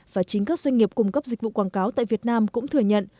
và chính các doanh nghiệp cung cấp dịch vụ quảng cáo tại việt nam cũng thừa nhận